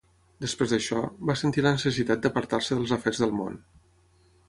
Després d'això, va sentir la necessitat d'apartar-se dels afers del món.